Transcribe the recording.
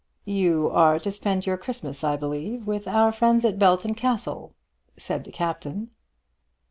"You are to spend your Christmas, I believe, with our friends at Belton Castle?" said the Captain.